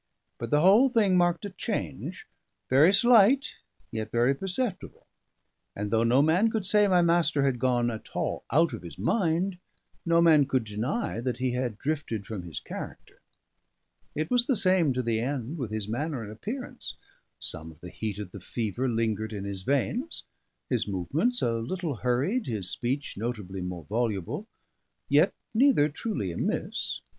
But the whole thing marked a change, very slight yet very perceptible; and though no man could say my master had gone at all out of his mind, no man could deny that he had drifted from his character. It was the same to the end, with his manner and appearance. Some of the heat of the fever lingered in his veins: his movements a little hurried, his speech notably more voluble, yet neither truly amiss.